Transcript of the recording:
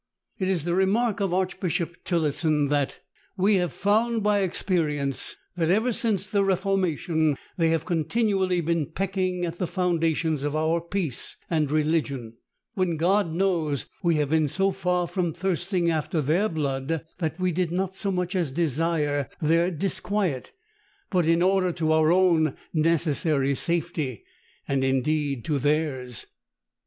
It is the remark of Archbishop Tillotson that, "We have found by experience that ever since the reformation they have continually been pecking at the foundations of our peace and religion; when God knows we have been so far from thirsting after their blood, that we did not so much as desire their disquiet, but in order to our own necessary safety, and indeed to theirs."